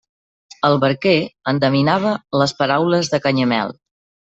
El barquer endevinava les paraules de Canyamel.